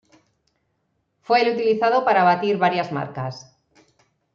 Fue el utilizado para batir varias marcas.